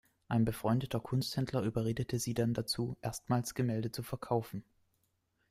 Ein befreundeter Kunsthändler überredete sie dann dazu, erstmals Gemälde zu verkaufen.